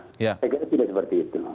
saya kira tidak seperti itu